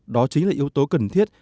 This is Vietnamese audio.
đó chính là yếu tố cần thiết